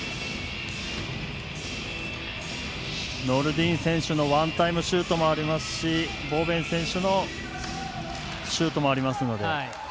ノルディーン選手のワンタイムシュートもありますしボベン選手のシュートもあります。